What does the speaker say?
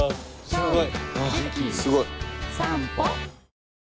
すごい。